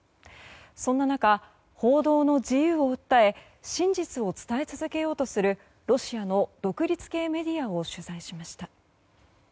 そんな中、報道の自由を訴え真実を伝え続けようとするロシアの独立系メディアを取材しました。